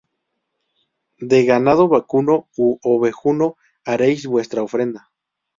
De ganado vacuno ú ovejuno haréis vuestra ofrenda.